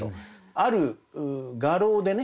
ある画廊でね